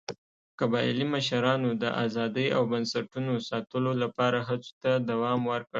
قبایلي مشرانو د ازادۍ او بنسټونو ساتلو لپاره هڅو ته دوام ورکړ.